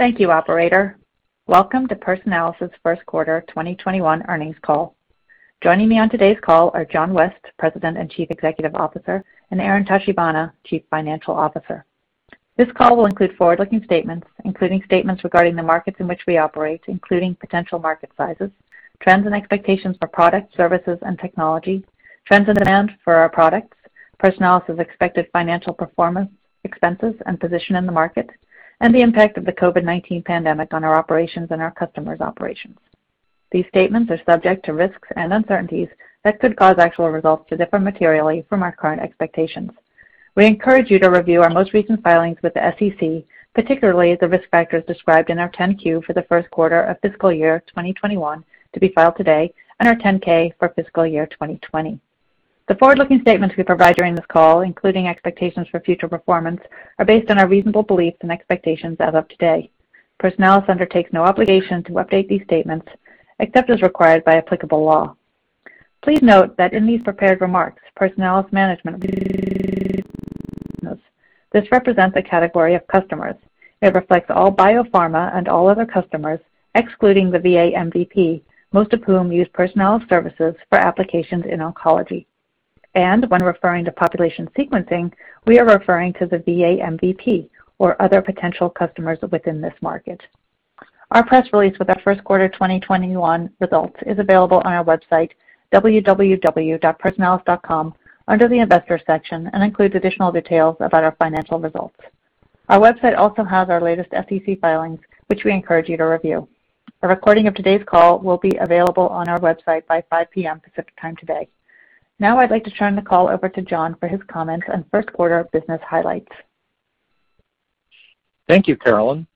Thank you, operator. Welcome to Personalis' first quarter 2021 earnings call. Joining me on today's call are John West, President and Chief Executive Officer, and Aaron Tachibana, Chief Financial Officer. This call will include forward-looking statements, including statements regarding the markets in which we operate, including potential market sizes, trends and expectations for product, services, and technology, trends and demand for our products, Personalis' expected financial performance, expenses, and position in the market, and the impact of the COVID-19 pandemic on our operations and our customers' operations. These statements are subject to risks and uncertainties that could cause actual results to differ materially from our current expectations. We encourage you to review our most recent filings with the SEC, particularly the risk factors described in our 10-Q for the first quarter of fiscal year 2021 to be filed today, and our 10-K for fiscal year 2020. The forward-looking statements we provide during this call, including expectations for future performance, are based on our reasonable beliefs and expectations as of today. Personalis undertakes no obligation to update these statements, except as required by applicable law. Please note that in these prepared remarks, Personalis management represents a category of customers. It reflects all biopharma and all other customers, excluding the VA MVP, most of whom use Personalis services for applications in oncology. When referring to population sequencing, we are referring to the VA MVP or other potential customers within this market. Our press release with our first quarter 2021 results is available on our website, www.personalis.com, under the investor section, and includes additional details about our financial results. Our website also has our latest SEC filings, which we encourage you to review. A recording of today's call will be available on our website by 5:00 P.M. Pacific Time today. Now I'd like to turn the call over to John for his comments on first quarter business highlights. Thank you, Caroline.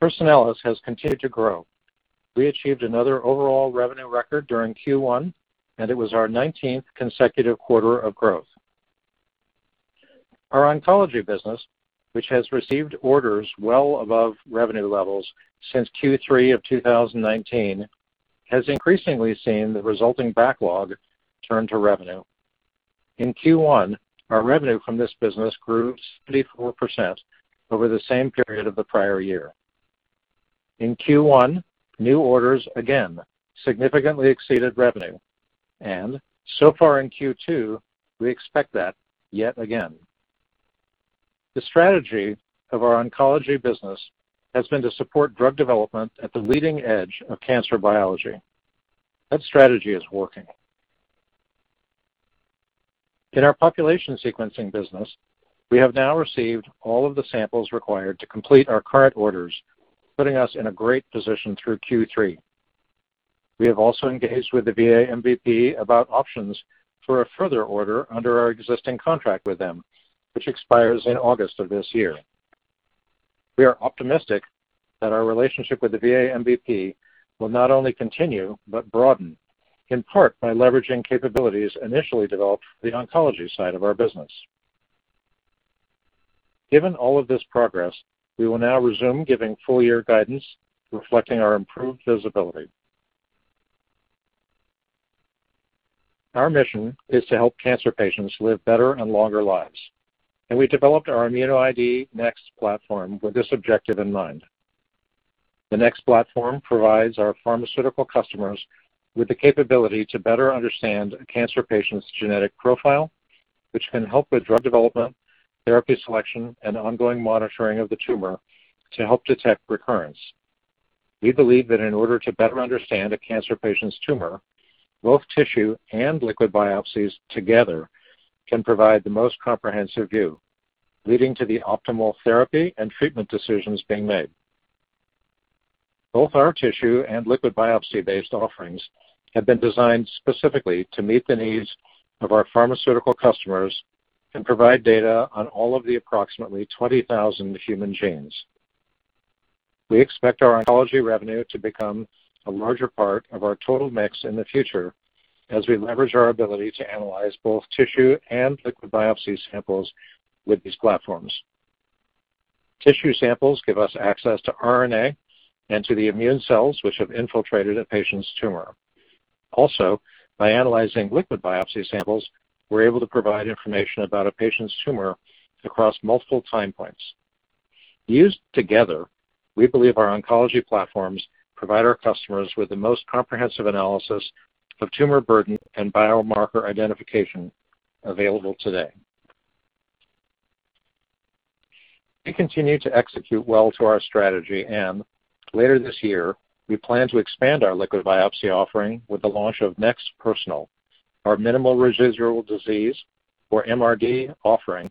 Personalis has continued to grow. We achieved another overall revenue record during Q1, and it was our 19th consecutive quarter of growth. Our oncology business, which has received orders well above revenue levels since Q3 of 2019, has increasingly seen the resulting backlog turn to revenue. In Q1, our revenue from this business grew 34% over the same period of the prior year. In Q1, new orders again significantly exceeded revenue, and so far in Q2, we expect that yet again. The strategy of our oncology business has been to support drug development at the leading edge of cancer biology. That strategy is working. In our population sequencing business, we have now received all of the samples required to complete our current orders, putting us in a great position through Q3. We have also engaged with the VA MVP about options for a further order under our existing contract with them, which expires in August of this year. We are optimistic that our relationship with the VA MVP will not only continue, but broaden, in part by leveraging capabilities initially developed for the oncology side of our business. Given all of this progress, we will now resume giving full year guidance reflecting our improved visibility. Our mission is to help cancer patients live better and longer lives, and we developed our ImmunoID NeXT platform with this objective in mind. The NeXT platform provides our pharmaceutical customers with the capability to better understand a cancer patient's genetic profile, which can help with drug development, therapy selection, and ongoing monitoring of the tumor to help detect recurrence. We believe that in order to better understand a cancer patient's tumor, both tissue and liquid biopsies together can provide the most comprehensive view, leading to the optimal therapy and treatment decisions being made. Both our tissue and liquid biopsy-based offerings have been designed specifically to meet the needs of our pharmaceutical customers and provide data on all of the approximately 20,000 human genes. We expect our oncology revenue to become a larger part of our total mix in the future as we leverage our ability to analyze both tissue and liquid biopsy samples with these platforms. Tissue samples give us access to RNA and to the immune cells which have infiltrated a patient's tumor. Also, by analyzing liquid biopsy samples, we're able to provide information about a patient's tumor across multiple time points. Used together, we believe our oncology platforms provide our customers with the most comprehensive analysis of tumor burden and biomarker identification available today. Later this year, we plan to expand our liquid biopsy offering with the launch of NeXT Personal, our minimal residual disease, or MRD offering,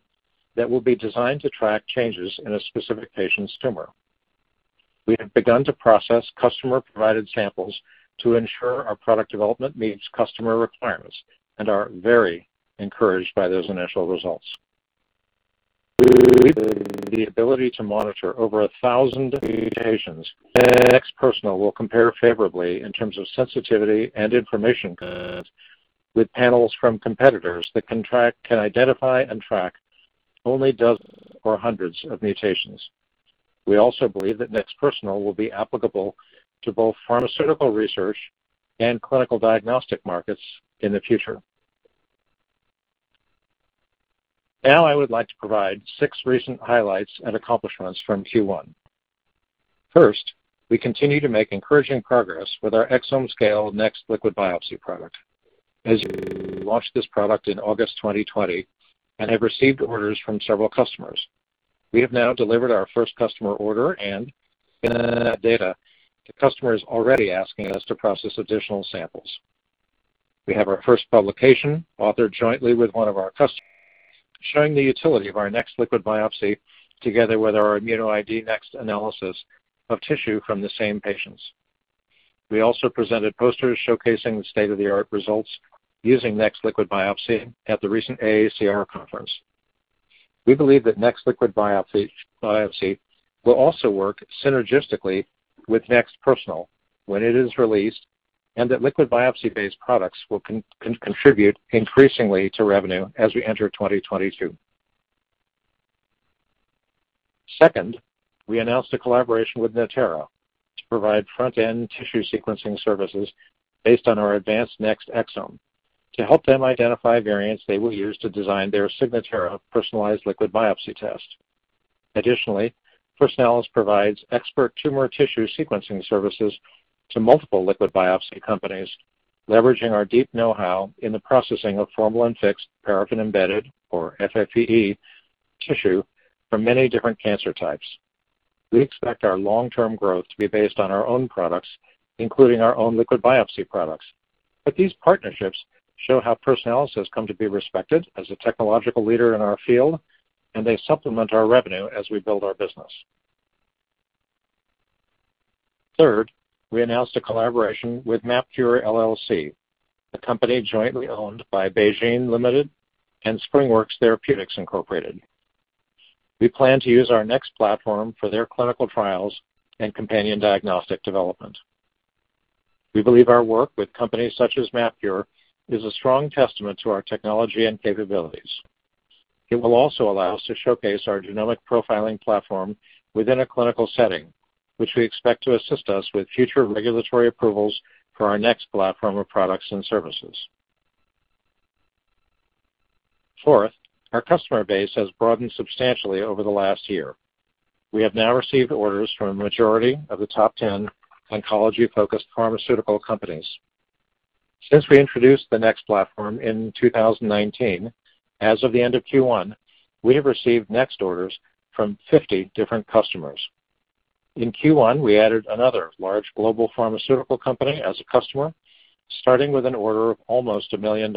that will be designed to track changes in a specific patient's tumor. We have begun to process customer-provided samples to ensure our product development meets customer requirements and are very encouraged by those initial results. The ability to monitor over 1,000 mutations, NeXT Personal will compare favorably in terms of sensitivity and information with panels from competitors that can identify and track only dozens or hundreds of mutations. We also believe that NeXT Personal will be applicable to both pharmaceutical research and clinical diagnostic markets in the future. Now I would like to provide six recent highlights and accomplishments from Q1. First, we continue to make encouraging progress with our exome-scale NeXT Liquid Biopsy product. As you know, we launched this product in August 2020 and have received orders from several customers. We have now delivered our first customer order and, based on that data, the customer is already asking us to process additional samples. We have our first publication, authored jointly with one of our customers, showing the utility of our NeXT Liquid Biopsy together with our ImmunoID NeXT analysis of tissue from the same patients. We also presented posters showcasing state-of-the-art results using NeXT Liquid Biopsy at the recent AACR conference. We believe that NeXT Liquid Biopsy will also work synergistically with NeXT Personal when it is released, and that liquid biopsy-based products will contribute increasingly to revenue as we enter 2022. Second, we announced a collaboration with Natera to provide front-end tissue sequencing services based on our advanced NeXT Exome to help them identify variants they will use to design their Signatera personalized liquid biopsy test. Additionally, Personalis provides expert tumor tissue sequencing services to multiple liquid biopsy companies, leveraging our deep know-how in the processing of formalin-fixed paraffin-embedded, or FFPE, tissue from many different cancer types. We expect our long-term growth to be based on our own products, including our own liquid biopsy products. These partnerships show how Personalis has come to be respected as a technological leader in our field, and they supplement our revenue as we build our business. Third, we announced a collaboration with MapKure, LLC, a company jointly owned by BeiGene, Ltd. and SpringWorks Therapeutics, Inc. We plan to use our NeXT platform for their clinical trials and companion diagnostic development. We believe our work with companies such as MapKure is a strong testament to our technology and capabilities. It will also allow us to showcase our genomic profiling platform within a clinical setting, which we expect to assist us with future regulatory approvals for our NeXT platform of products and services. Fourth, our customer base has broadened substantially over the last year. We have now received orders from a majority of the top 10 oncology-focused pharmaceutical companies. Since we introduced the NeXT platform in 2019, as of the end of Q1, we have received NeXT orders from 50 different customers. In Q1, we added another large global pharmaceutical company as a customer, starting with an order of almost $1 million.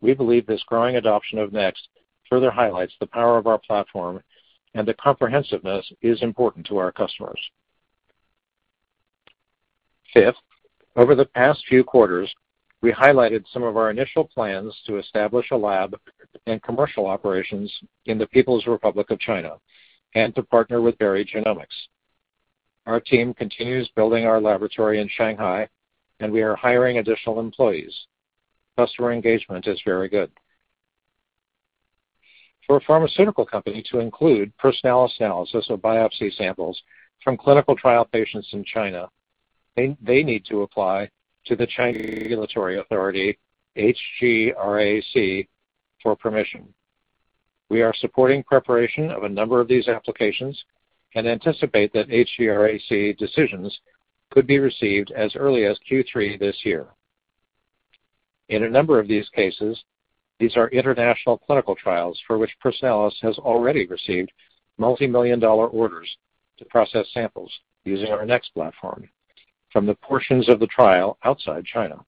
We believe this growing adoption of NeXT further highlights the power of our platform and that comprehensiveness is important to our customers. Fifth, over the past few quarters, we highlighted some of our initial plans to establish a lab and commercial operations in the People's Republic of China and to partner with Berry Genomics. Our team continues building our laboratory in Shanghai, and we are hiring additional employees. Customer engagement is very good. For a pharmaceutical company to include Personalis analysis of biopsy samples from clinical trial patients in China, they need to apply to the Chinese regulatory authority, HGRAC, for permission. We are supporting preparation of a number of these applications and anticipate that HGRAC decisions could be received as early as Q3 this year. In a number of these cases, these are international clinical trials for which Personalis has already received multimillion-dollar orders to process samples using our NeXT platform from the portions of the trial outside China.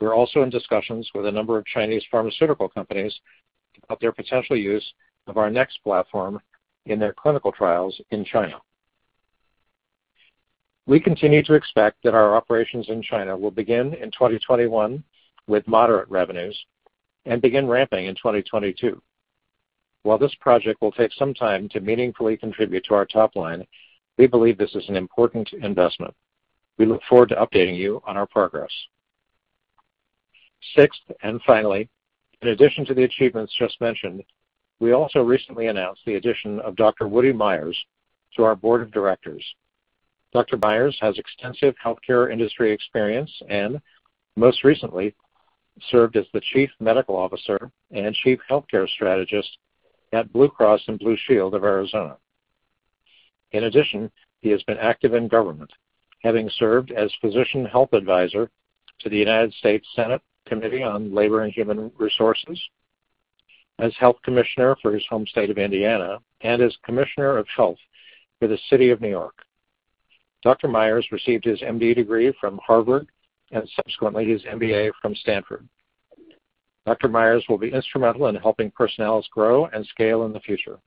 We're also in discussions with a number of Chinese pharmaceutical companies about their potential use of our NeXT platform in their clinical trials in China. We continue to expect that our operations in China will begin in 2021 with moderate revenues and begin ramping in 2022. While this project will take some time to meaningfully contribute to our top line, we believe this is an important investment. We look forward to updating you on our progress. Sixth, finally, in addition to the achievements just mentioned, we also recently announced the addition of Dr. Woody Myers to our Board of Directors. Dr. Myers has extensive healthcare industry experience and, most recently, served as the Chief Medical Officer and Chief Healthcare Strategist at Blue Cross & Blue Shield of Arizona. In addition, he has been active in government, having served as Physician Health Advisor to the United States Senate Committee on Labor and Human Resources, as Health Commissioner for his home state of Indiana, and as Commissioner of Health for the City of New York. Dr. Myers received his MD degree from Harvard and subsequently his MBA from Stanford. Dr. Myers will be instrumental in helping Personalis grow and scale in the future.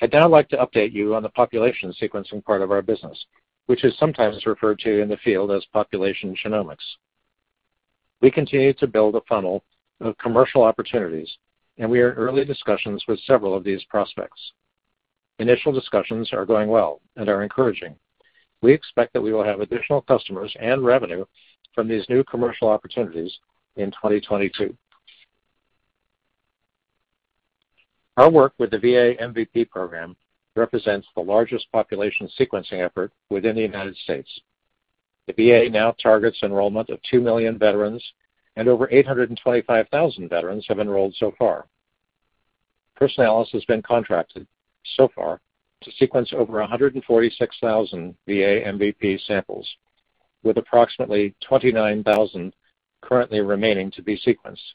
I'd now like to update you on the population sequencing part of our business, which is sometimes referred to in the field as population genomics. We continue to build a funnel of commercial opportunities, and we are in early discussions with several of these prospects. Initial discussions are going well and are encouraging. We expect that we will have additional customers and revenue from these new commercial opportunities in 2022. Our work with the VA MVP program represents the largest population sequencing effort within the United States. The VA now targets enrollment of 2 million veterans. Over 825,000 veterans have enrolled so far. Personalis has been contracted so far to sequence over 146,000 VA MVP samples, with approximately 29,000 currently remaining to be sequenced.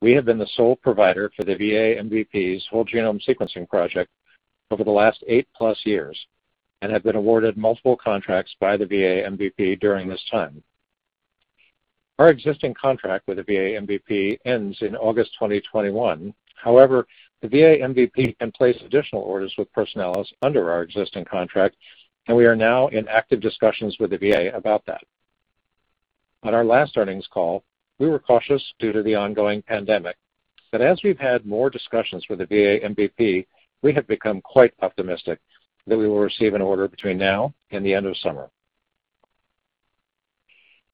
We have been the sole provider for the VA MVP's whole-genome sequencing project over the last 8+ years and have been awarded multiple contracts by the VA MVP during this time. Our existing contract with the VA MVP ends in August 2021. The VA MVP can place additional orders with Personalis under our existing contract, and we are now in active discussions with the VA about that. On our last earnings call, we were cautious due to the ongoing pandemic, but as we've had more discussions with the VA MVP, we have become quite optimistic that we will receive an order between now and the end of summer.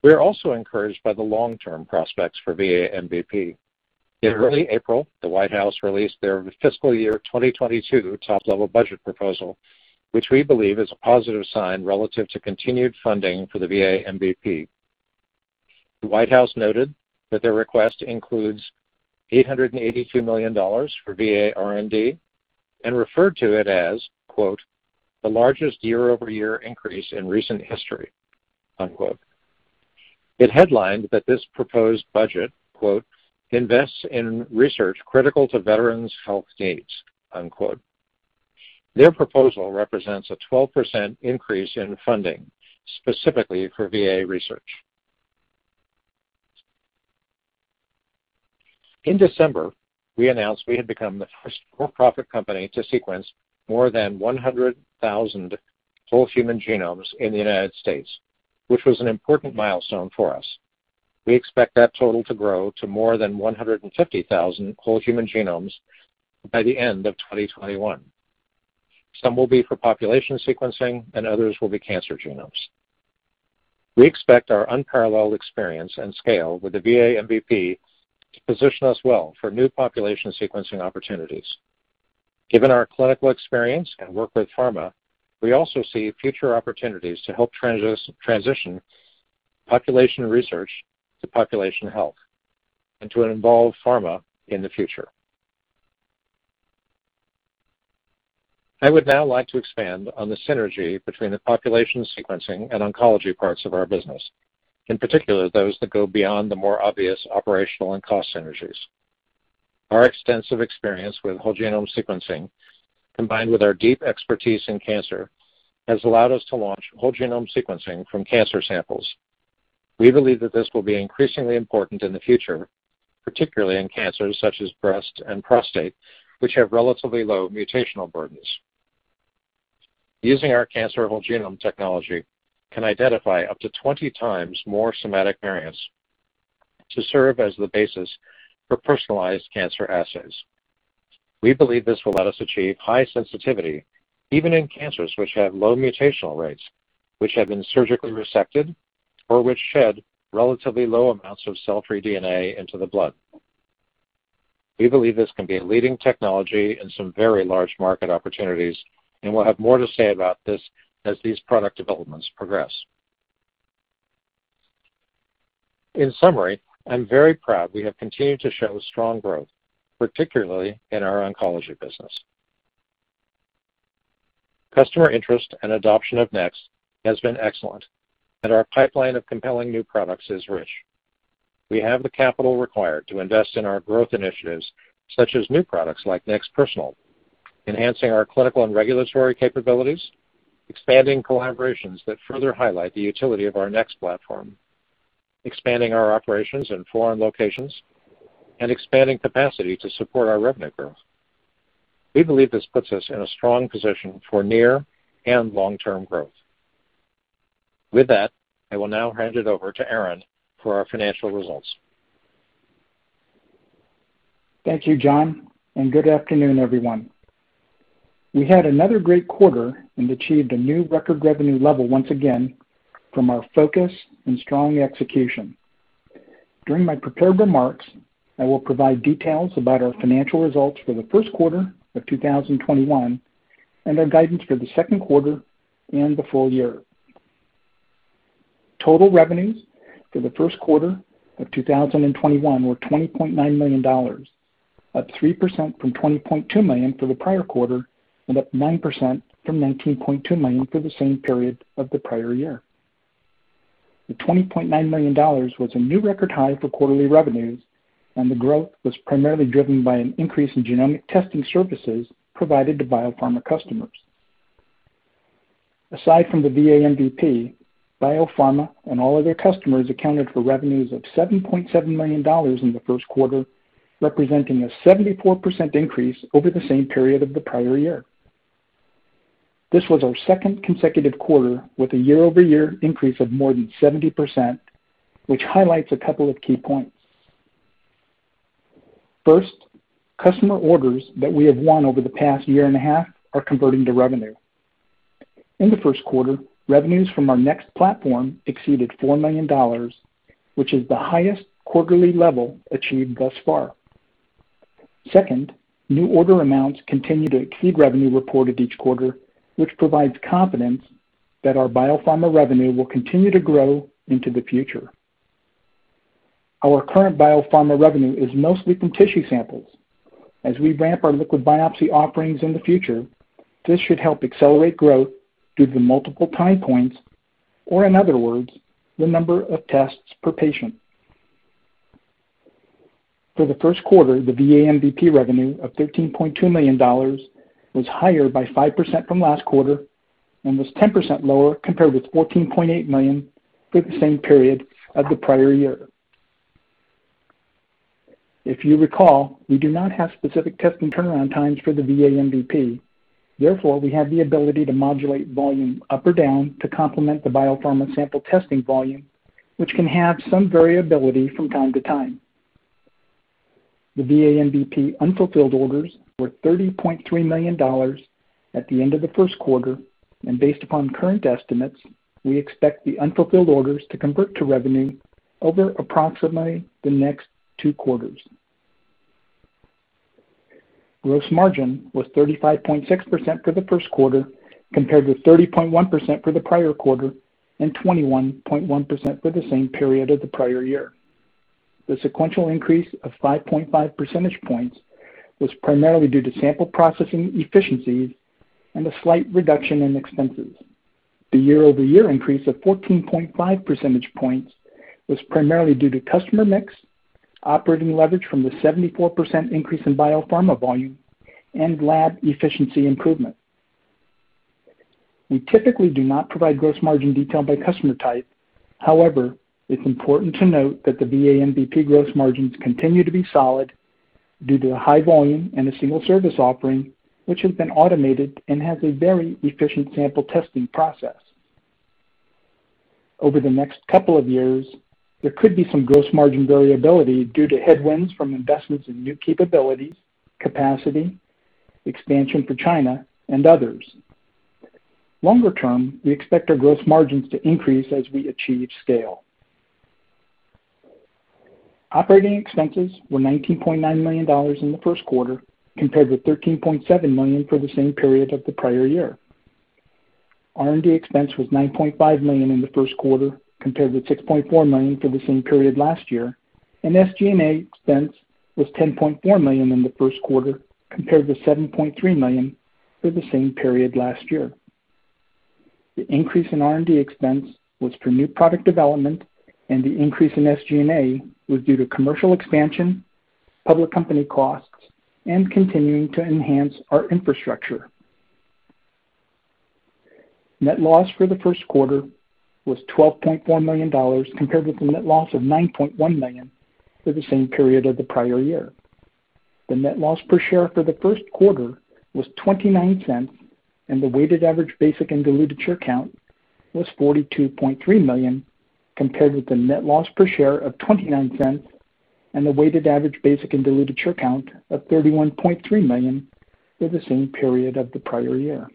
We are also encouraged by the long-term prospects for VA MVP. In early April, the White House released their fiscal year 2022 top-level budget proposal, which we believe is a positive sign relative to continued funding for the VA MVP. The White House noted that their request includes $882 million for VA R&D and referred to it as, "The largest year-over-year increase in recent history." It headlined that this proposed budget, "Invests in research critical to veterans' health needs." Their proposal represents a 12% increase in funding specifically for VA research. In December, we announced we had become the first for-profit company to sequence more than 100,000 whole human genomes in the United States, which was an important milestone for us. We expect that total to grow to more than 150,000 whole human genomes by the end of 2021. Some will be for population sequencing, and others will be cancer genomes. We expect our unparalleled experience and scale with the VA MVP to position us well for new population sequencing opportunities. Given our clinical experience and work with pharma, we also see future opportunities to help transition population research to population health and to involve pharma in the future. I would now like to expand on the synergy between the population sequencing and oncology parts of our business, in particular, those that go beyond the more obvious operational and cost synergies. Our extensive experience with whole-genome sequencing, combined with our deep expertise in cancer, has allowed us to launch whole-genome sequencing from cancer samples. We believe that this will be increasingly important in the future, particularly in cancers such as breast and prostate, which have relatively low mutational burdens. Using our cancer whole-genome technology can identify up to 20 times more somatic variants to serve as the basis for personalized cancer assays. We believe this will let us achieve high sensitivity, even in cancers which have low mutational rates, which have been surgically resected, or which shed relatively low amounts of cell-free DNA into the blood. We believe this can be a leading technology in some very large market opportunities, and we'll have more to say about this as these product developments progress. In summary, I'm very proud we have continued to show strong growth, particularly in our oncology business. Customer interest and adoption of NeXT has been excellent, and our pipeline of compelling new products is rich. We have the capital required to invest in our growth initiatives, such as new products like NeXT Personal, enhancing our clinical and regulatory capabilities, expanding collaborations that further highlight the utility of our NeXT platform, expanding our operations in foreign locations, and expanding capacity to support our revenue growth. We believe this puts us in a strong position for near and long-term growth. With that, I will now hand it over to Aaron for our financial results. Thank you, John, and good afternoon, everyone. We had another great quarter and achieved a new record revenue level once again from our focus and strong execution. During my prepared remarks, I will provide details about our financial results for the first quarter of 2021 and our guidance for the second quarter and the full year. Total revenues for the first quarter of 2021 were $20.9 million, up 3% from $20.2 million for the prior quarter and up 9% from $19.2 million for the same period of the prior year. The $20.9 million was a new record high for quarterly revenues, and the growth was primarily driven by an increase in genomic testing services provided to biopharma customers. Aside from the VA MVP, biopharma and all other customers accounted for revenues of $7.7 million in the first quarter, representing a 74% increase over the same period of the prior year. This was our second consecutive quarter with a year-over-year increase of more than 70%, which highlights a couple of key points. First, customer orders that we have won over the past year and a half are converting to revenue. In the first quarter, revenues from our NeXT platform exceeded $4 million, which is the highest quarterly level achieved thus far. Second, new order amounts continue to exceed revenue reported each quarter, which provides confidence that our biopharma revenue will continue to grow into the future. Our current biopharma revenue is mostly from tissue samples. As we ramp our liquid biopsy offerings in the future, this should help accelerate growth due to multiple time points, or in other words, the number of tests per patient. For the first quarter, the VA MVP revenue of $13.2 million was higher by 5% from last quarter and was 10% lower compared with $14.8 million for the same period of the prior year. If you recall, we do not have specific testing turnaround times for the VA MVP. Therefore, we have the ability to modulate volume up or down to complement the biopharma sample testing volume, which can have some variability from time to time. The VA MVP unfulfilled orders were $30.3 million at the end of the first quarter, and based upon current estimates, we expect the unfulfilled orders to convert to revenue over approximately the next two quarters. Gross margin was 35.6% for the first quarter, compared with 30.1% for the prior quarter and 21.1% for the same period of the prior year. The sequential increase of 5.5 percentage points was primarily due to sample processing efficiencies and a slight reduction in expenses. The year-over-year increase of 14.5 percentage points was primarily due to customer mix, operating leverage from the 74% increase in biopharma volume, and lab efficiency improvement. We typically do not provide gross margin detail by customer type. However, it's important to note that the VA MVP gross margins continue to be solid due to a high volume and a single service offering, which has been automated and has a very efficient sample testing process. Over the next couple of years, there could be some gross margin variability due to headwinds from investments in new capabilities, capacity, expansion to China, and others. Longer term, we expect our gross margins to increase as we achieve scale. Operating expenses were $19.9 million in the first quarter, compared with $13.7 million for the same period of the prior year. R&D expense was $9.5 million in the first quarter, compared with $6.4 million for the same period last year, and SG&A expense was $10.4 million in the first quarter, compared with $7.3 million for the same period last year. The increase in R&D expense was for new product development, and the increase in SG&A was due to commercial expansion, public company costs, and continuing to enhance our infrastructure. Net loss for the first quarter was $12.4 million, compared with a net loss of $9.1 million for the same period of the prior year. The net loss per share for the first quarter was $0.29, and the weighted average basic and diluted share count was 42.3 million, compared with the net loss per share of $0.29 and the weighted average basic and diluted share count of 31.3 million for the same period of the prior year.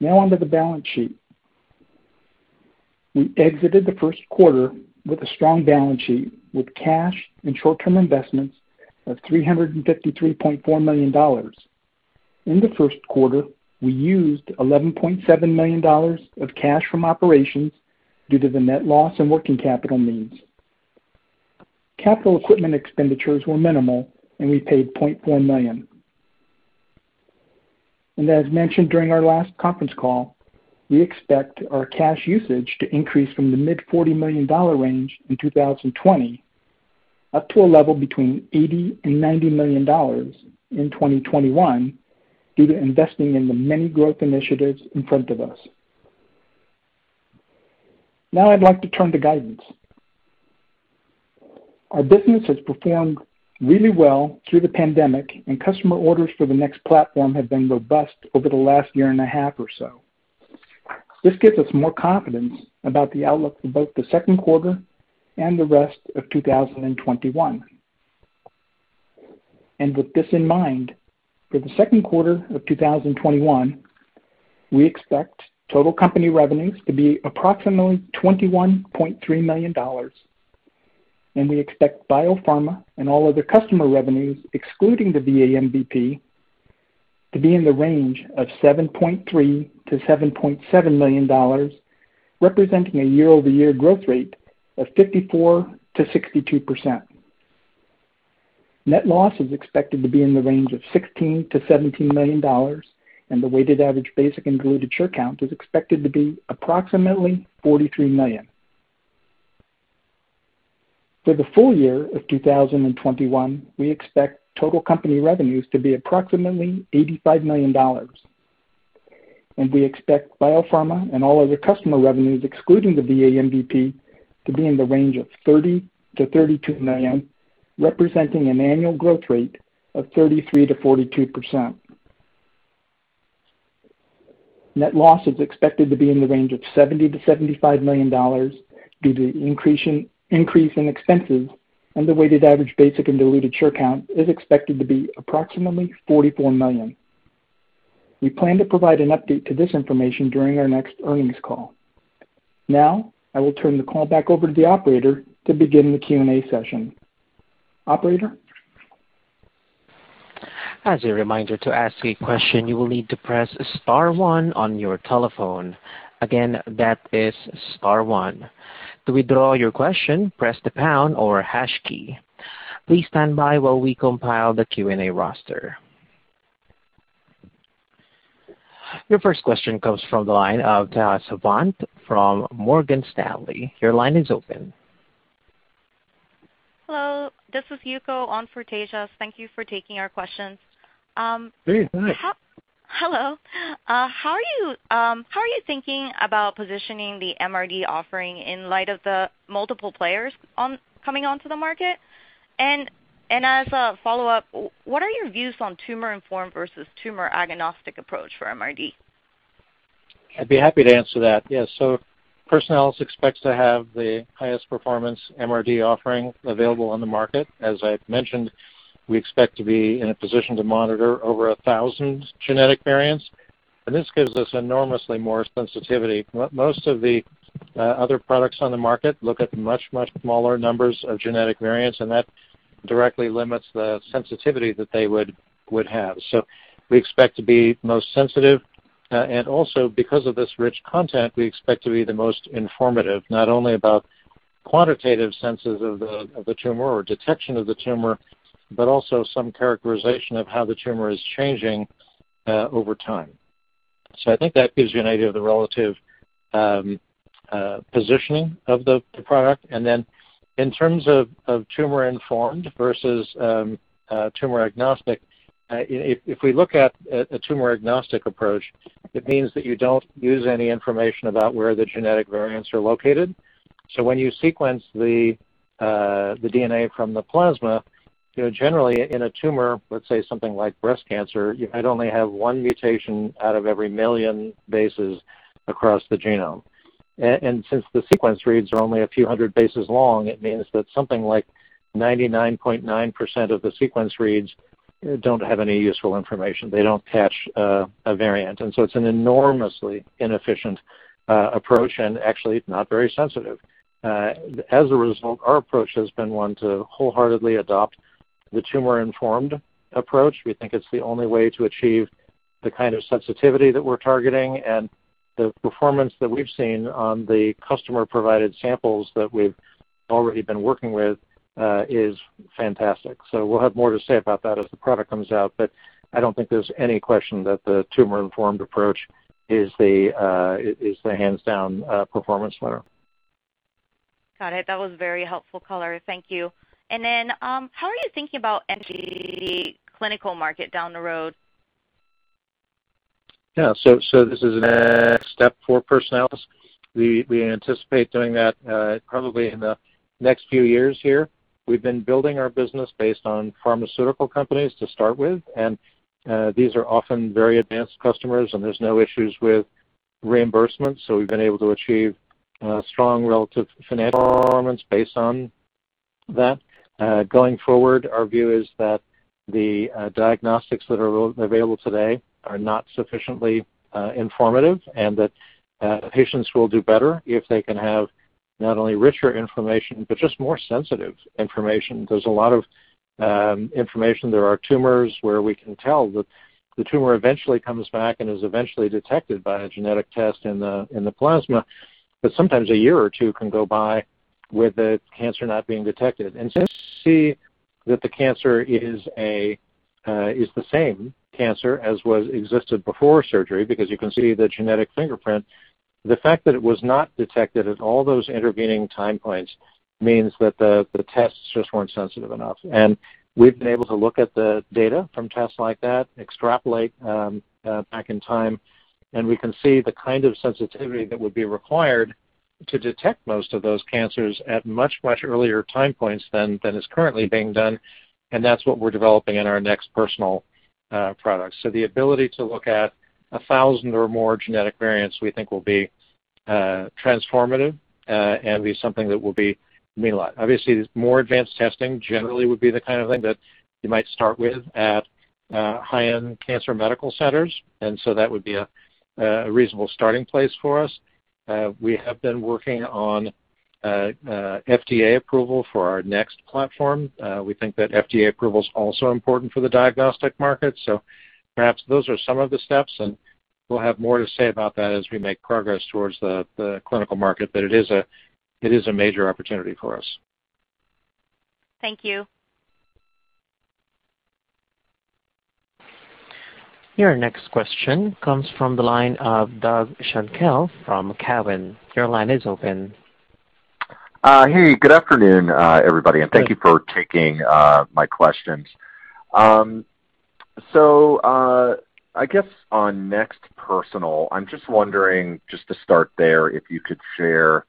Now on to the balance sheet. We exited the first quarter with a strong balance sheet, with cash and short-term investments of $353.4 million. In the first quarter, we used $11.7 million of cash from operations due to the net loss and working capital needs. Capital equipment expenditures were minimal, and we paid $0.4 million. As mentioned during our last conference call, we expect our cash usage to increase from the mid $40 million range in 2020 up to a level between $80 million and $90 million in 2021 due to investing in the many growth initiatives in front of us. Now I'd like to turn to guidance. Our business has performed really well through the pandemic, customer orders for the NeXT platform have been robust over the last year and a half or so. This gives us more confidence about the outlook for both the second quarter and the rest of 2021. With this in mind, for the second quarter of 2021, we expect total company revenues to be approximately $21.3 million, and we expect biopharma and all other customer revenues, excluding the VA MVP, to be in the range of $7.3 million-$7.7 million, representing a year-over-year growth rate of 54%-62%. Net loss is expected to be in the range of $16 million-$17 million, and the weighted average basic and diluted share count is expected to be approximately 43 million. For the full year of 2021, we expect total company revenues to be approximately $85 million, and we expect biopharma and all other customer revenues, excluding the VA MVP, to be in the range of $30 million-$32 million, representing an annual growth rate of 33%-42%. Net loss is expected to be in the range of $70 million-$75 million due to increase in expenses, and the weighted average basic and diluted share count is expected to be approximately 44 million. We plan to provide an update to this information during our next earnings call. Now, I will turn the call back over to the operator to begin the Q&A session. Operator? As a reminder, to ask a question, you will need to press star one on your telephone. Again, that is star one. To withdraw your question, press the pound or hash key. Please stand by while we compile the Q&A roster. Your first question comes from the line of Tejas Savant from Morgan Stanley. Your line is open. Hello, this is Yuko on for Tejas. Thank you for taking our questions. Please, hi. Hello. How are you thinking about positioning the MRD offering in light of the multiple players coming onto the market? As a follow-up, what are your views on tumor-informed versus tumor-agnostic approach for MRD? I'd be happy to answer that. Personalis expects to have the highest performance MRD offering available on the market. As I've mentioned, we expect to be in a position to monitor over 1,000 genetic variants, this gives us enormously more sensitivity. Most of the other products on the market look at much, much smaller numbers of genetic variants, that directly limits the sensitivity that they would have. We expect to be most sensitive, also because of this rich content, we expect to be the most informative, not only about quantitative senses of the tumor or detection of the tumor, but also some characterization of how the tumor is changing over time. I think that gives you an idea of the relative positioning of the product, and then in terms of tumor-informed versus tumor agnostic, if we look at a tumor agnostic approach, it means that you don't use any information about where the genetic variants are located. When you sequence the DNA from the plasma, generally in a tumor, let's say something like breast cancer, you might only have one mutation out of every million bases across the genome. Since the sequence reads are only a few hundred bases long, it means that something like 99.9% of the sequence reads don't have any useful information. They don't catch a variant. It's an enormously inefficient approach and actually not very sensitive. As a result, our approach has been one to wholeheartedly adopt the tumor-informed approach. We think it's the only way to achieve the kind of sensitivity that we're targeting and the performance that we've seen on the customer-provided samples that we've already been working with is fantastic. We'll have more to say about that as the product comes out, I don't think there's any question that the tumor-informed approach is the hands down performance winner. Got it. That was very helpful color. Thank you. How are you thinking about entering the clinical market down the road? Yeah. This is a step for Personalis. We anticipate doing that probably in the next few years here. We've been building our business based on pharmaceutical companies to start with. These are often very advanced customers. There's no issues with reimbursement. We've been able to achieve strong relative financial performance based on that. Going forward, our view is that the diagnostics that are available today are not sufficiently informative and that patients will do better if they can have not only richer information, but just more sensitive information. There's a lot of information, there are tumors where we can tell that the tumor eventually comes back and is eventually detected by a genetic test in the plasma, but sometimes a year or two can go by with the cancer not being detected. Since we see that the cancer is the same cancer as was existed before surgery, because you can see the genetic fingerprint, the fact that it was not detected at all those intervening time points means that the tests just weren't sensitive enough. We've been able to look at the data from tests like that, extrapolate back in time, and we can see the kind of sensitivity that would be required to detect most of those cancers at much, much earlier time points than is currently being done, and that's what we're developing in our NeXT Personal product. The ability to look at 1,000 or more genetic variants, we think will be transformative and be something that will be mean a lot. More advanced testing generally would be the kind of thing that you might start with at high-end cancer medical centers, that would be a reasonable starting place for us. We have been working on FDA approval for our NeXT platform. We think that FDA approval is also important for the diagnostic market. Perhaps those are some of the steps, we'll have more to say about that as we make progress towards the clinical market, it is a major opportunity for us. Thank you. Your next question comes from the line of Doug Schenkel from Cowen. Your line is open. Good afternoon, everybody, and thank you for taking my questions. I guess on NeXT Personal, I'm just wondering, just to start there, if you could share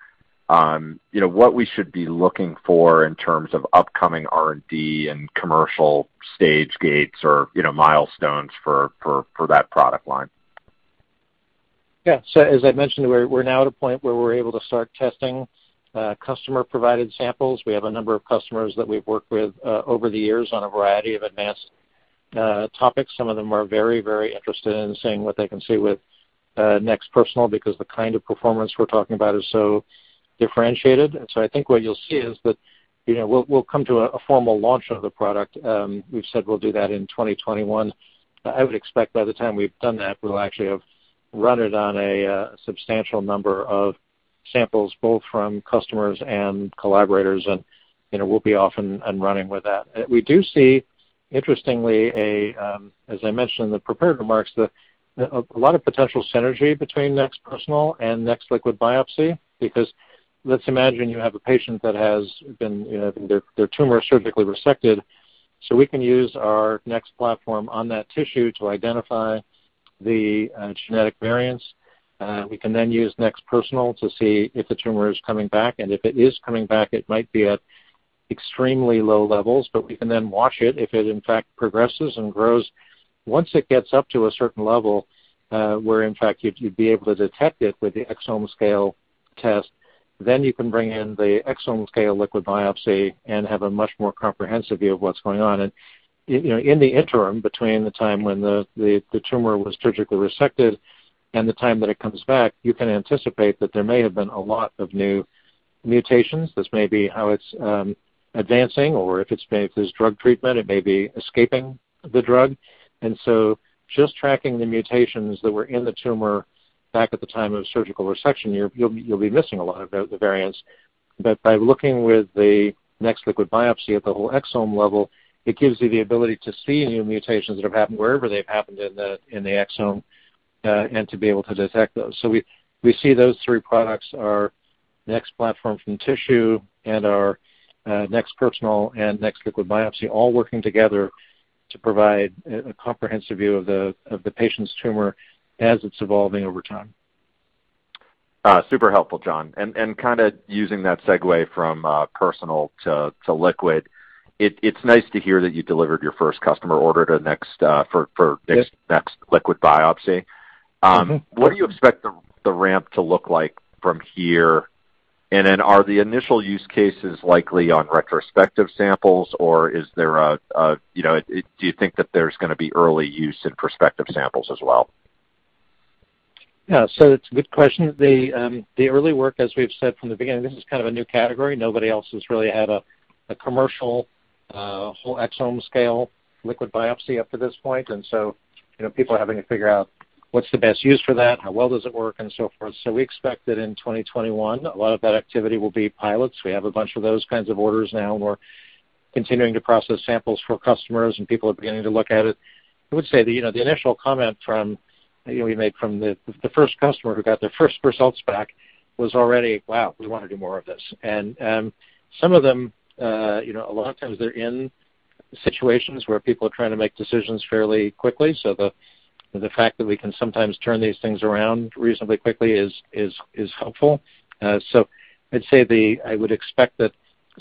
what we should be looking for in terms of upcoming R&D and commercial stage gates or milestones for that product line. Yeah. As I mentioned, we're now at a point where we're able to start testing customer-provided samples. We have a number of customers that we've worked with over the years on a variety of advanced topics. Some of them are very interested in seeing what they can see with NeXT Personal, because the kind of performance we're talking about is so differentiated. I think what you'll see is that we'll come to a formal launch of the product. We've said we'll do that in 2021. I would expect by the time we've done that, we'll actually have run it on a substantial number of samples, both from customers and collaborators, and we'll be off and running with that. We do see, interestingly, as I mentioned in the prepared remarks, a lot of potential synergy between NeXT Personal and NeXT Liquid Biopsy, because let's imagine you have a patient that has their tumor surgically resected, so we can use our NeXT platform on that tissue to identify the genetic variants. We can then use NeXT Personal to see if the tumor is coming back, and if it is coming back, it might be at extremely low levels, but we can then watch it if it, in fact, progresses and grows. Once it gets up to a certain level, where in fact you'd be able to detect it with the exome-scale test, then you can bring in the exome-scale liquid biopsy and have a much more comprehensive view of what's going on. In the interim, between the time when the tumor was surgically resected and the time that it comes back, you can anticipate that there may have been a lot of new mutations. This may be how it's advancing, or if there's drug treatment, it may be escaping the drug. Just tracking the mutations that were in the tumor back at the time of surgical resection, you'll be missing a lot of the variants. By looking with the NeXT Liquid Biopsy at the whole exome level, it gives you the ability to see new mutations that have happened wherever they've happened in the exome, and to be able to detect those. We see those three products, our NeXT platform from tissue and our NeXT Personal and NeXT Liquid Biopsy, all working together to provide a comprehensive view of the patient's tumor as it's evolving over time. Super helpful, John. Kind of using that segue from personal to liquid, it's nice to hear that you delivered your first customer order to NeXT. Yes NeXT Liquid Biopsy. What do you expect the ramp to look like from here? Are the initial use cases likely on retrospective samples, or do you think that there's going to be early use in prospective samples as well? It's a good question. The early work, as we've said from the beginning, this is kind of a new category. Nobody else has really had a commercial whole exome scale liquid biopsy up to this point. People are having to figure out what's the best use for that, how well does it work, and so forth. We expect that in 2021, a lot of that activity will be pilots. We have a bunch of those kinds of orders now, and we're continuing to process samples for customers, and people are beginning to look at it. I would say that the initial comment from, we made from the first customer who got their first results back was already, "Wow, we want to do more of this." Some of them, a lot of times they're in situations where people are trying to make decisions fairly quickly. The fact that we can sometimes turn these things around reasonably quickly is helpful. I'd say I would expect that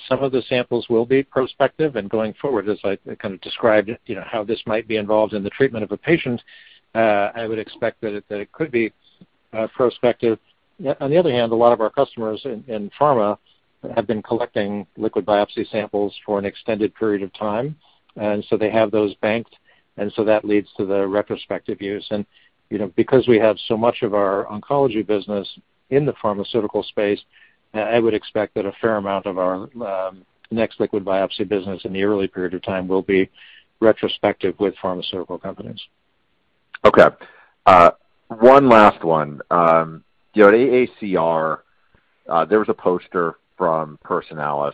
some of the samples will be prospective and going forward as I kind of described how this might be involved in the treatment of a patient, I would expect that it could be prospective. On the other hand, a lot of our customers in pharma have been collecting liquid biopsy samples for an extended period of time, and so they have those banked, and so that leads to the retrospective use. Because we have so much of our oncology business in the pharmaceutical space, I would expect that a fair amount of our NeXT Liquid Biopsy business in the early period of time will be retrospective with pharmaceutical companies. Okay. One last one. At AACR, there was a poster from Personalis,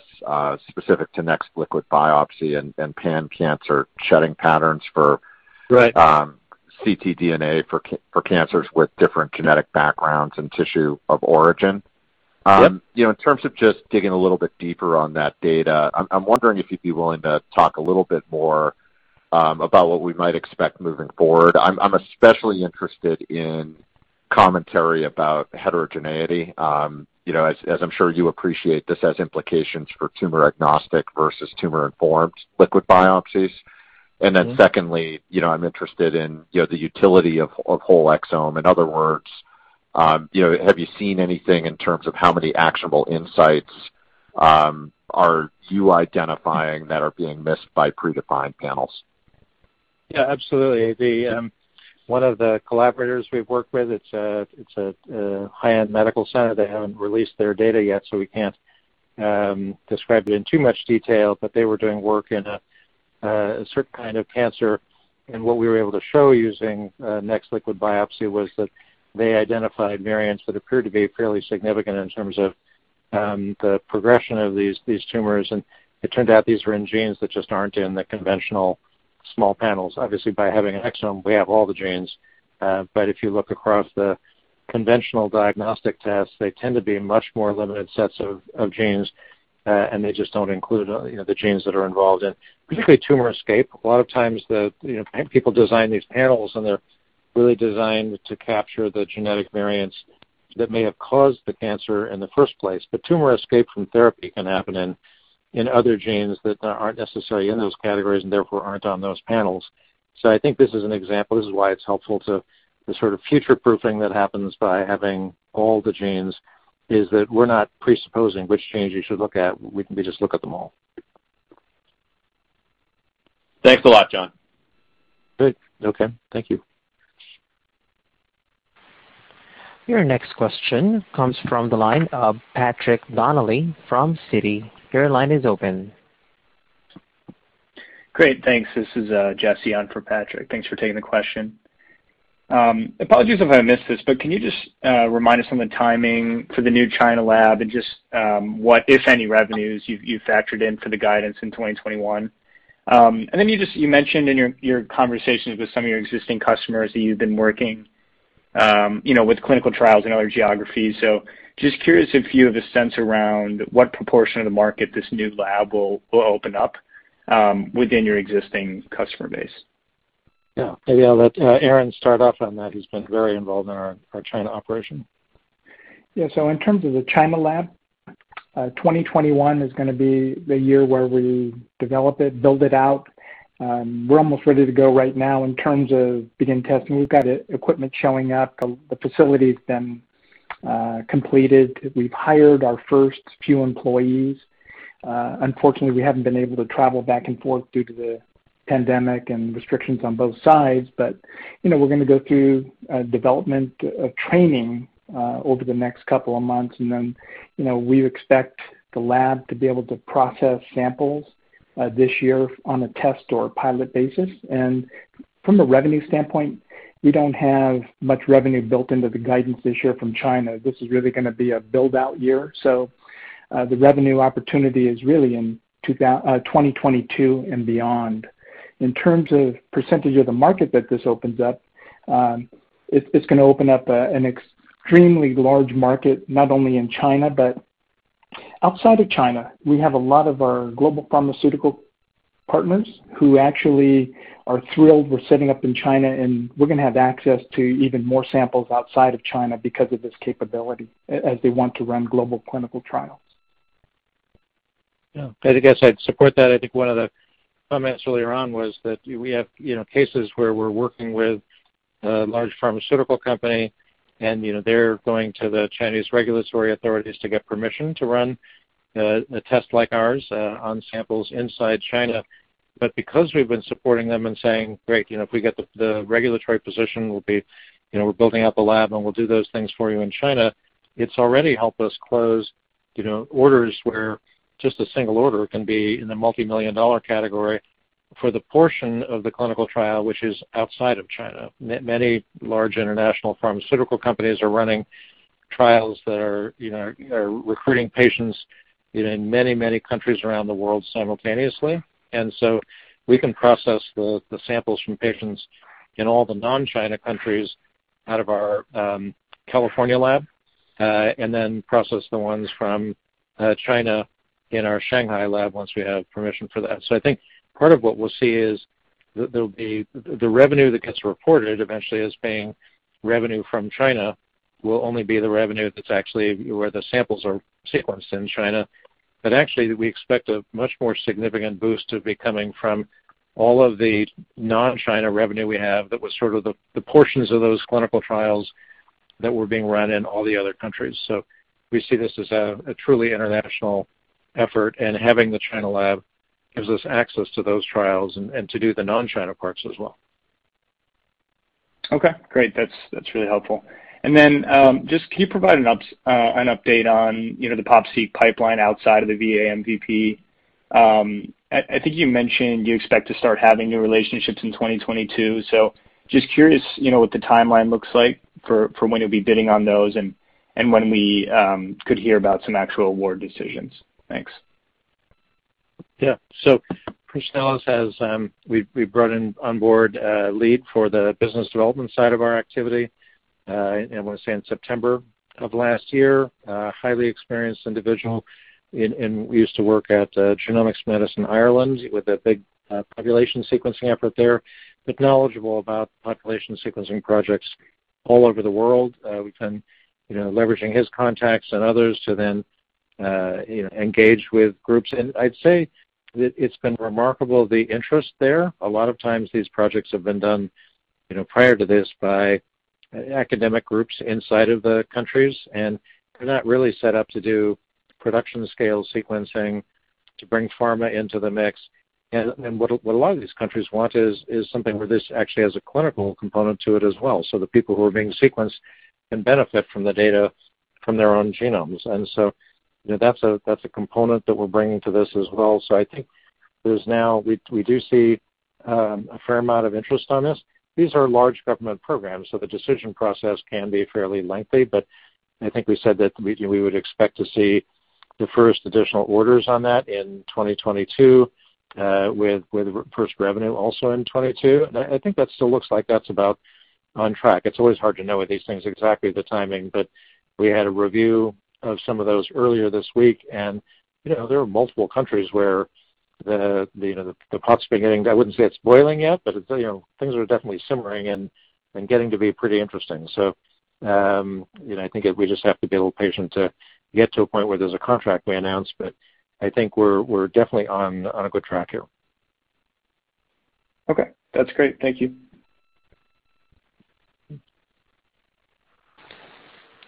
specific to NeXT Liquid Biopsy and pan-cancer shedding patterns. Right ctDNA for cancers with different genetic backgrounds and tissue of origin. Yep. In terms of just digging a little bit deeper on that data, I'm wondering if you'd be willing to talk a little bit more about what we might expect moving forward. I'm especially interested in commentary about heterogeneity. As I'm sure you appreciate, this has implications for tumor-agnostic versus tumor-informed liquid biopsies. Secondly, I'm interested in the utility of whole exome. In other words, have you seen anything in terms of how many actionable insights are you identifying that are being missed by predefined panels? Yeah, absolutely. One of the collaborators we've worked with, it's a high-end medical center. They haven't released their data yet, we can't describe it in too much detail, but they were doing work in a certain kind of cancer. What we were able to show using NeXT Liquid Biopsy was that they identified variants that appeared to be fairly significant in terms of the progression of these tumors. It turned out these were in genes that just aren't in the conventional small panels. Obviously, by having an exome, we have all the genes, if you look across the conventional diagnostic tests, they tend to be much more limited sets of genes, they just don't include the genes that are involved in, particularly tumor escape. A lot of times people design these panels and they're really designed to capture the genetic variants that may have caused the cancer in the first place. Tumor escape from therapy can happen in other genes that aren't necessarily in those categories and therefore aren't on those panels. I think this is an example, this is why it's helpful to the sort of future-proofing that happens by having all the genes, is that we're not presupposing which change you should look at. We just look at them all. Thanks a lot, John. Good. Okay. Thank you. Your next question comes from the line of Patrick Donnelly from Citi. Your line is open. Great. Thanks. This is Jesse on for Patrick. Thanks for taking the question. Apologies if I missed this, can you just remind us on the timing for the new China lab and just what, if any, revenues you've factored in for the guidance in 2021? You mentioned in your conversations with some of your existing customers that you've been working with clinical trials in other geographies. Just curious if you have a sense around what proportion of the market this new lab will open up within your existing customer base? Yeah. Maybe I'll let Aaron start off on that. He's been very involved in our China operation. Yeah. In terms of the China lab, 2021 is going to be the year where we develop it, build it out. We're almost ready to go right now in terms of begin testing. We've got equipment showing up. The facility's been completed. We've hired our first few employees. Unfortunately, we haven't been able to travel back and forth due to the pandemic and restrictions on both sides, but we're going to go through development training over the next couple of months, and then we expect the lab to be able to process samples this year on a test or pilot basis. From a revenue standpoint, we don't have much revenue built into the guidance this year from China. This is really going to be a build-out year. The revenue opportunity is really in 2022 and beyond. In terms of percentage of the market that this opens up, it's going to open up an extremely large market, not only in China, but outside of China. We have a lot of our global pharmaceutical partners who actually are thrilled we're setting up in China, and we're going to have access to even more samples outside of China because of this capability, as they want to run global clinical trials. Yeah. I guess I'd support that. I think one of the comments earlier on was that we have cases where we're working with a large pharmaceutical company. They're going to the Chinese regulatory authorities to get permission to run a test like ours on samples inside China. Because we've been supporting them and saying, "Great, if we get the regulatory position, we're building out the lab, and we'll do those things for you in China," it's already helped us close orders where just a single order can be in the multimillion-dollar category for the portion of the clinical trial, which is outside of China. Many large international pharmaceutical companies are running trials that are recruiting patients in many countries around the world simultaneously. We can process the samples from patients in all the non-China countries out of our California lab, and then process the ones from China in our Shanghai lab once we have permission for that. I think part of what we'll see is the revenue that gets reported eventually as being revenue from China will only be the revenue where the samples are sequenced in China. Actually, we expect a much more significant boost to be coming from all of the non-China revenue we have that was sort of the portions of those clinical trials that were being run in all the other countries. We see this as a truly international effort, and having the China lab gives us access to those trials and to do the non-China parts as well. Okay, great. That's really helpful. Just can you provide an update on the PopSeq pipeline outside of the VA MVP? I think you mentioned you expect to start having new relationships in 2022. Just curious what the timeline looks like for when you'll be bidding on those and when we could hear about some actual award decisions. Thanks. Yeah. Personalis has brought on board a lead for the business development side of our activity, I want to say in September of last year. A highly experienced individual, and we used to work at Genomics Medicine Ireland with a big population sequencing effort there, but knowledgeable about population sequencing projects all over the world. We've been leveraging his contacts and others to then engage with groups. I'd say that it's been remarkable, the interest there. A lot of times, these projects have been done prior to this by academic groups inside of the countries, and they're not really set up to do production-scale sequencing to bring pharma into the mix. What a lot of these countries want is something where this actually has a clinical component to it as well, so the people who are being sequenced can benefit from the data from their own genomes. That's a component that we're bringing to this as well. I think we do see a fair amount of interest on this. These are large government programs, so the decision process can be fairly lengthy, but I think we said that we would expect to see the first additional orders on that in 2022, with the first revenue also in 2022. I think that still looks like that's about on track. It's always hard to know with these things exactly the timing, but we had a review of some of those earlier this week, and there are multiple countries where the pot's beginning, I wouldn't say it's boiling yet, but things are definitely simmering and getting to be pretty interesting. I think we just have to be a little patient to get to a point where there's a contract we announce. I think we're definitely on a good track here. Okay. That's great. Thank you.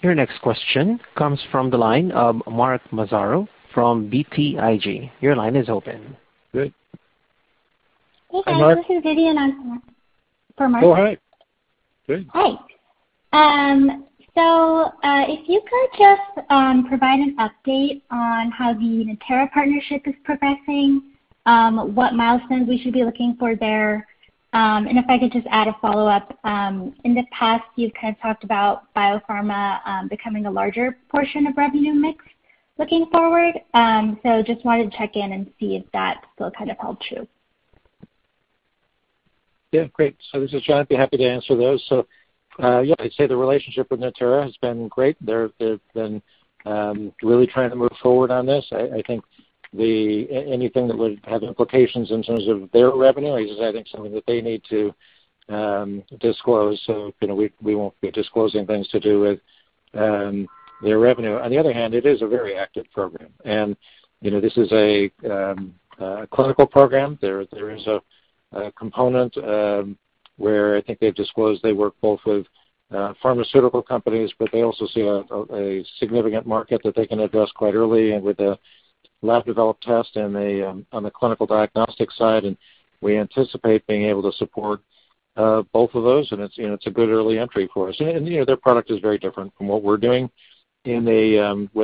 Your next question comes from the line of Mark Massaro from BTIG. Your line is open. Great. Hey, guys. Hi, Mark. This is Vidyun. I am calling for Mark. Oh, hi. Great. Hi. If you could just provide an update on how the Natera partnership is progressing, what milestones we should be looking for there. If I could just add a follow-up. In the past, you've kind of talked about biopharma becoming a larger portion of revenue mix looking forward. Just wanted to check in and see if that still kind of held true. Great. This is John. I'd be happy to answer those. I'd say the relationship with Natera has been great. They've been really trying to move forward on this. I think anything that would have implications in terms of their revenue is, I think, something that they need to disclose. We won't be disclosing things to do with their revenue. On the other hand, it is a very active program. This is a clinical program. There is a component where I think they've disclosed they work both with pharmaceutical companies, but they also see a significant market that they can address quite early and with a lab developed test on the clinical diagnostic side, and we anticipate being able to support both of those, and it's a good early entry for us. Their product is very different from what we're doing with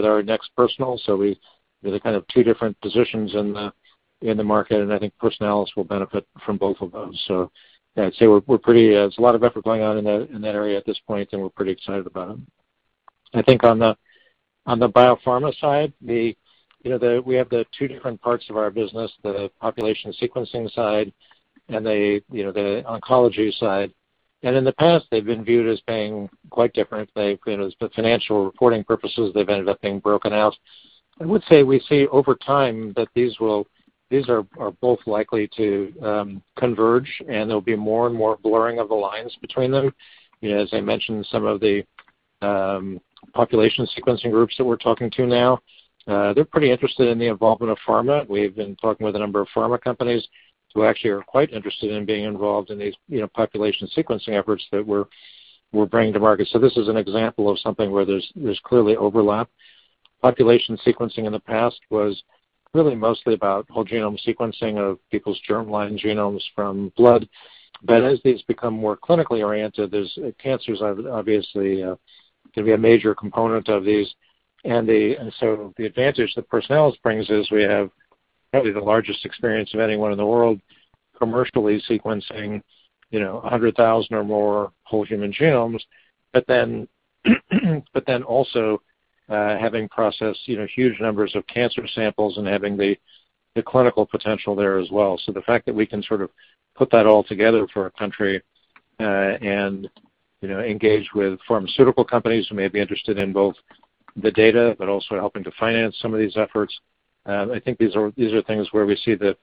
our NeXT Personal. We have kind of two different positions in the market, and I think Personalis will benefit from both of those. Yeah, I'd say there's a lot of effort going on in that area at this point, and we're pretty excited about it. I think on the biopharma side, we have the two different parts of our business, the population sequencing side and the oncology side. In the past, they've been viewed as being quite different. For financial reporting purposes, they've ended up being broken out. I would say we see over time that these are both likely to converge, and there'll be more and more blurring of the lines between them. As I mentioned, some of the population sequencing groups that we're talking to now, they're pretty interested in the involvement of pharma. We've been talking with a number of pharma companies who actually are quite interested in being involved in these population sequencing efforts that we're bringing to market. This is an example of something where there's clearly overlap. Population sequencing in the past was really mostly about whole-genome sequencing of people's germline genomes from blood. As these become more clinically oriented, cancers are obviously going to be a major component of these. The advantage that Personalis brings is we have probably the largest experience of anyone in the world commercially sequencing 100,000 or more whole human genomes. Also having processed huge numbers of cancer samples and having the clinical potential there as well. The fact that we can sort of put that all together for a country, and engage with pharmaceutical companies who may be interested in both the data, but also helping to finance some of these efforts. I think these are things where we see the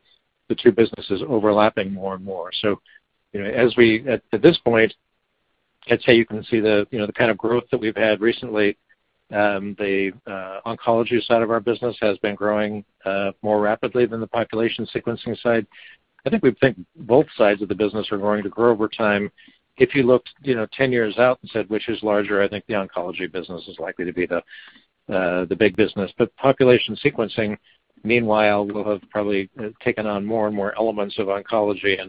two businesses overlapping more and more. At this point, I'd say you can see the kind of growth that we've had recently. The oncology side of our business has been growing more rapidly than the population sequencing side. I think we think both sides of the business are going to grow over time. If you looked 10 years out and said, which is larger, I think the oncology business is likely to be the big business. Population sequencing, meanwhile, will have probably taken on more and more elements of oncology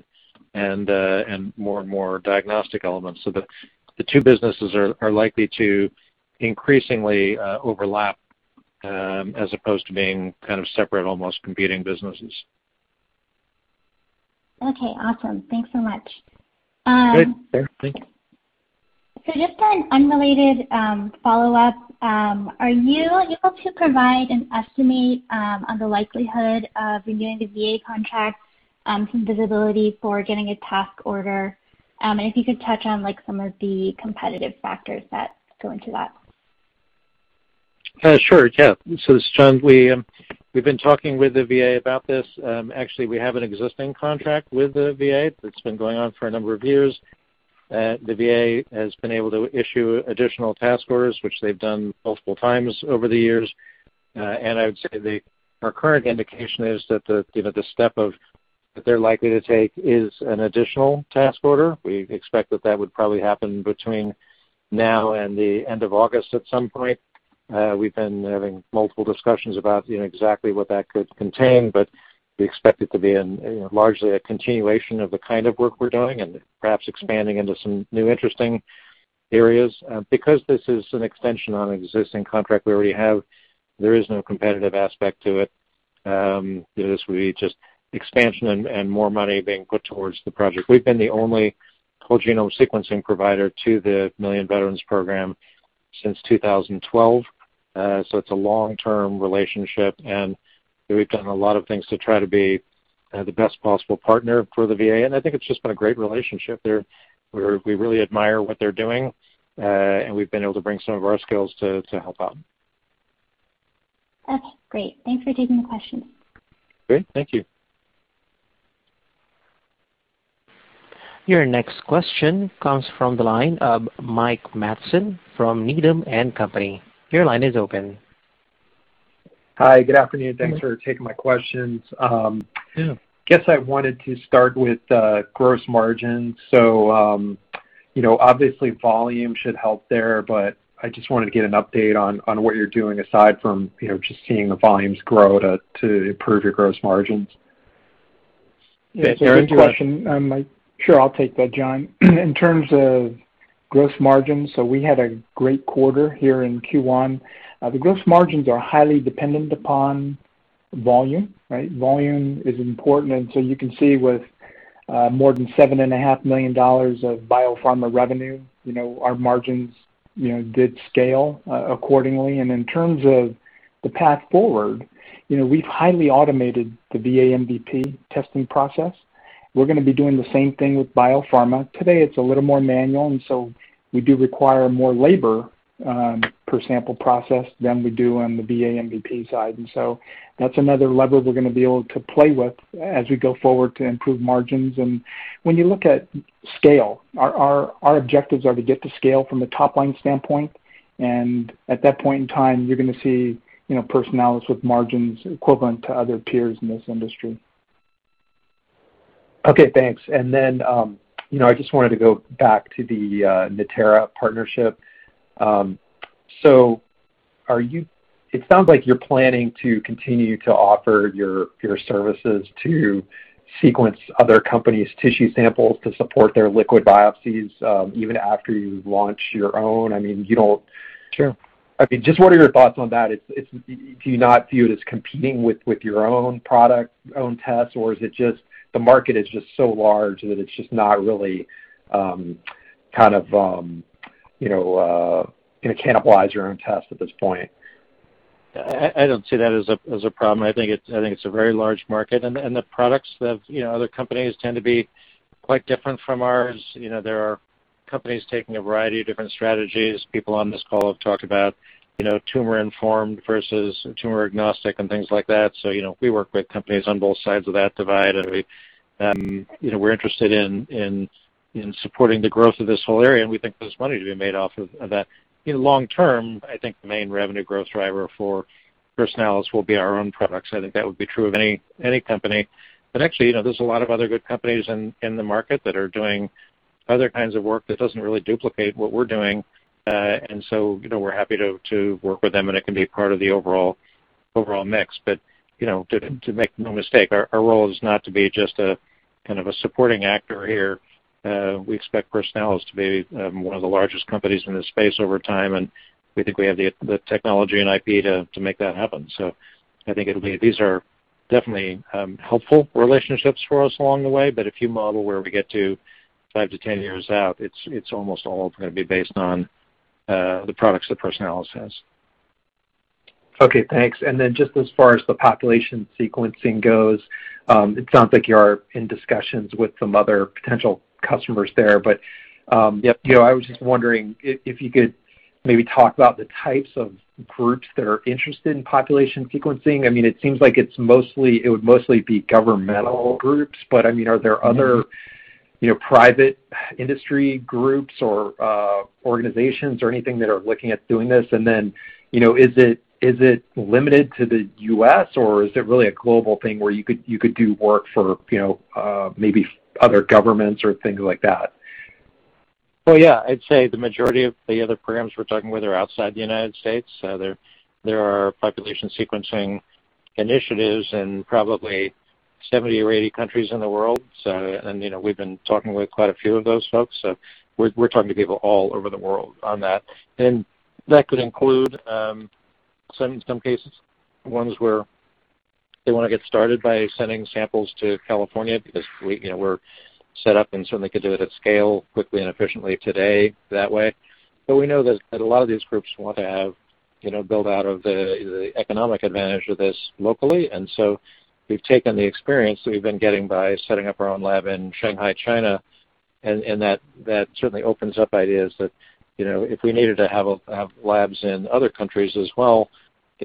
and more and more diagnostic elements. The two businesses are likely to increasingly overlap, as opposed to being kind of separate, almost competing businesses. Okay, awesome. Thanks so much. Good. Sure, thank you. Just an unrelated follow-up. Are you able to provide an estimate on the likelihood of renewing the VA contract, some visibility for getting a task order? If you could touch on some of the competitive factors that go into that. Sure, yeah. This is John. We've been talking with the VA about this. Actually, we have an existing contract with the VA that's been going on for a number of years. The VA has been able to issue additional task orders, which they've done multiple times over the years. I would say our current indication is that the step that they're likely to take is an additional task order. We expect that that would probably happen between now and the end of August at some point. We've been having multiple discussions about exactly what that could contain, but we expect it to be largely a continuation of the kind of work we're doing and perhaps expanding into some new interesting areas. Because this is an extension on an existing contract we already have, there is no competitive aspect to it. This will be just expansion and more money being put towards the project. We've been the only whole-genome sequencing provider to the Million Veteran Program since 2012. It's a long-term relationship, and we've done a lot of things to try to be the best possible partner for the VA, and I think it's just been a great relationship. We really admire what they're doing, and we've been able to bring some of our skills to help out. Okay, great. Thanks for taking the question. Great. Thank you. Your next question comes from the line of Mike Matson from Needham & Company. Your line is open. Hi. Good afternoon. Thanks for taking my questions. Yeah. I guess I wanted to start with gross margin. Obviously volume should help there, but I just wanted to get an update on what you're doing aside from just seeing the volumes grow to improve your gross margins. Yeah. Good question, Mike. Sure, I'll take that, John. In terms of gross margin, we had a great quarter here in Q1. The gross margins are highly dependent upon volume, right? Volume is important. You can see with more than $7.5 million of biopharma revenue, our margins did scale accordingly. In terms of the path forward, we've highly automated the VA MVP testing process. We're going to be doing the same thing with biopharma. Today, it's a little more manual, we do require more labor per sample process than we do on the VA MVP side. That's another lever we're going to be able to play with as we go forward to improve margins. When you look at scale, our objectives are to get to scale from a top-line standpoint. At that point in time, you're going to see Personalis with margins equivalent to other peers in this industry. Okay, thanks. I just wanted to go back to the Natera partnership. It sounds like you're planning to continue to offer your services to sequence other companies' tissue samples to support their liquid biopsies, even after you've launched your own. Sure. Just what are your thoughts on that? Do you not view it as competing with your own product, your own tests, or is it just the market is just so large that it's just not really cannibalize your own test at this point? I don't see that as a problem. I think it's a very large market. The products of other companies tend to be quite different from ours. There are companies taking a variety of different strategies. People on this call have talked about tumor-informed versus tumor-agnostic and things like that. We work with companies on both sides of that divide. We're interested in supporting the growth of this whole area. We think there's money to be made off of that. In the long term, I think the main revenue growth driver for Personalis will be our own products. I think that would be true of any company. Actually, there's a lot of other good companies in the market that are doing other kinds of work that doesn't really duplicate what we're doing. We're happy to work with them, and it can be a part of the overall mix. To make no mistake, our role is not to be just a kind of a supporting actor here. We expect Personalis to be one of the largest companies in this space over time, and we think we have the technology and IP to make that happen. I think these are definitely helpful relationships for us along the way, but if you model where we get to 5-10 years out, it's almost all going to be based on the products that Personalis has. Okay, thanks. Just as far as the population sequencing goes, it sounds like you are in discussions with some other potential customers there. Yep I was just wondering if you could maybe talk about the types of groups that are interested in population sequencing? It seems like it would mostly be governmental groups, but are there other private industry groups or organizations or anything that are looking at doing this? Is it limited to the U.S., or is it really a global thing where you could do work for maybe other governments or things like that? Well, yeah. I'd say the majority of the other programs we're talking with are outside the U.S. There are population sequencing initiatives in probably 70 or 80 countries in the world. We've been talking with quite a few of those folks, so we're talking to people all over the world on that. That could include, some cases, ones where they want to get started by sending samples to California because we're set up and certainly could do it at scale quickly and efficiently today that way. We know that a lot of these groups want to build out of the economic advantage of this locally. We've taken the experience that we've been getting by setting up our own lab in Shanghai, China, and that certainly opens up ideas that if we needed to have labs in other countries as well,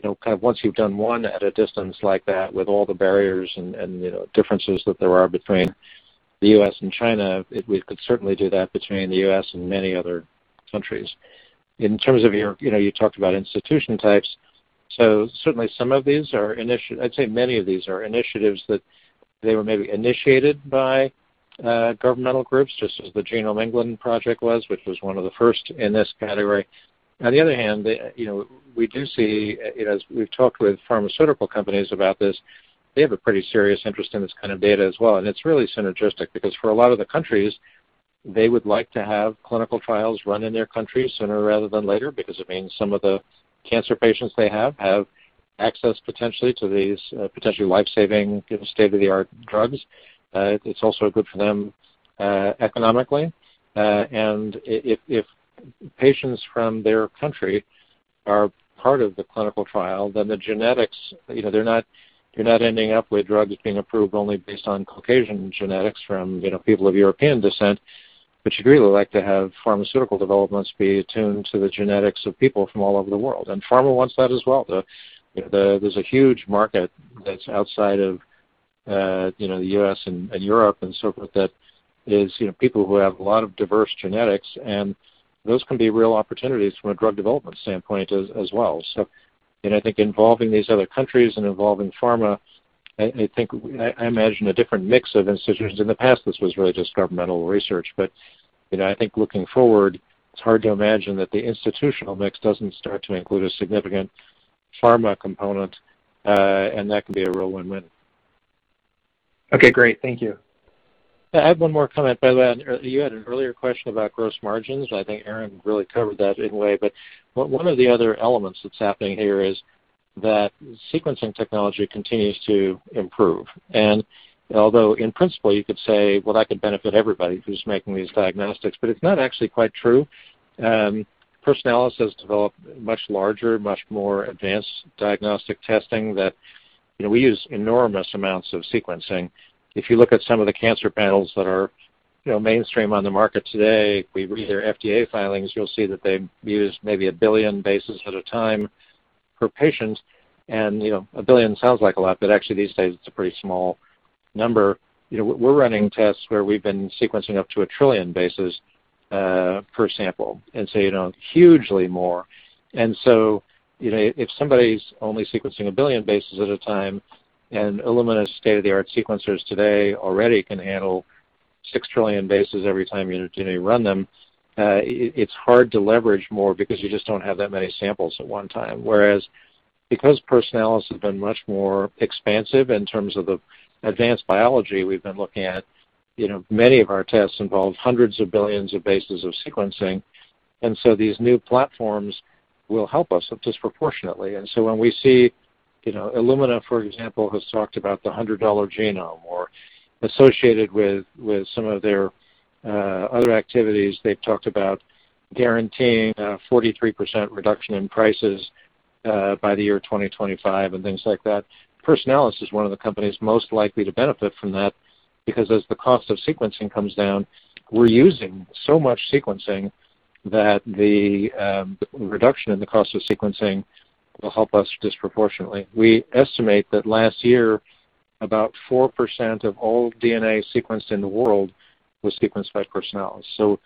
kind of once you've done one at a distance like that with all the barriers and differences that there are between the U.S. and China, we could certainly do that between the U.S. and many other countries. In terms of your, you talked about institution types, so certainly some of these are, I'd say many of these are initiatives that they were maybe initiated by governmental groups, just as the Genomics England Project was, which was one of the first in this category. On the other hand, we do see, as we've talked with pharmaceutical companies about this, they have a pretty serious interest in this kind of data as well. It's really synergistic because for a lot of the countries, they would like to have clinical trials run in their country sooner rather than later because it means some of the cancer patients they have have access potentially to these potentially life-saving, state-of-the-art drugs. It's also good for them economically. If patients from their country are part of the clinical trial, then the genetics, they're not ending up with drugs being approved only based on Caucasian genetics from people of European descent. You'd really like to have pharmaceutical developments be attuned to the genetics of people from all over the world. Pharma wants that as well. There's a huge market that's outside of the U.S. and Europe and so forth, that is people who have a lot of diverse genetics, and those can be real opportunities from a drug development standpoint as well. I think involving these other countries and involving pharma, I imagine a different mix of institutions. In the past, this was really just governmental research, but I think looking forward, it's hard to imagine that the institutional mix doesn't start to include a significant pharma component, and that can be a real win-win. Okay, great. Thank you. I have one more comment. By the way, you had an earlier question about gross margins. I think Aaron really covered that anyway. One of the other elements that's happening here is that sequencing technology continues to improve. Although in principle, you could say, "Well, that could benefit everybody who's making these diagnostics," it's not actually quite true. Personalis has developed much larger, much more advanced diagnostic testing that we use enormous amounts of sequencing. If you look at some of the cancer panels that are mainstream on the market today, we read their FDA filings, you'll see that they use maybe a billion bases at a time per patient. A billion sounds like a lot, actually, these days, it's a pretty small number. We're running tests where we've been sequencing up to a trillion bases per sample, hugely more. If somebody's only sequencing 1 billion bases at a time, and Illumina's state-of-the-art sequencers today already can handle 6 trillion bases every time you run them, it's hard to leverage more because you just don't have that many samples at one time. Whereas because Personalis has been much more expansive in terms of the advanced biology we've been looking at, many of our tests involve hundreds of billions of bases of sequencing, these new platforms will help us disproportionately. When we see Illumina, for example, has talked about the $100 genome or associated with some of their other activities, they've talked about guaranteeing a 43% reduction in prices by the year 2025 and things like that. Personalis is one of the companies most likely to benefit from that, because as the cost of sequencing comes down, we're using so much sequencing that the reduction in the cost of sequencing will help us disproportionately. We estimate that last year, about 4% of all DNA sequenced in the world was sequenced by Personalis.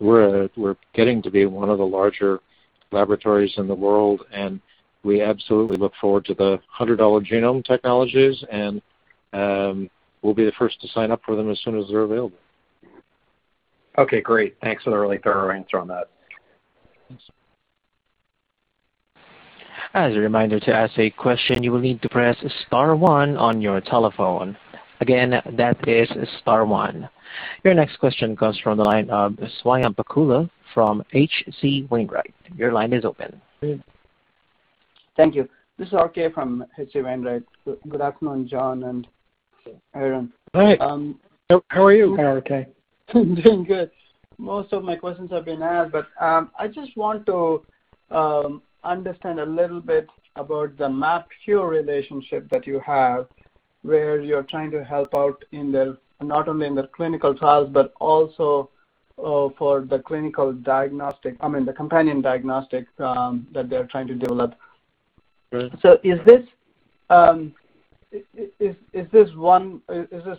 We're getting to be one of the larger laboratories in the world, and we absolutely look forward to the $100 genome technologies, and we'll be the first to sign up for them as soon as they're available. Okay, great. Thanks for the really thorough answer on that. Thanks. Your next question comes from the line of Swayampakula from H.C. Wainwright. Your line is open. Thank you. This is RK from H.C. Wainwright. Good afternoon, John and Aaron. Hi. How are you, RK? Doing good. Most of my questions have been asked, but I just want to understand a little bit about the MapKure relationship that you have, where you're trying to help out not only in the clinical trials, but also for the companion diagnostics that they're trying to develop. Right. Is this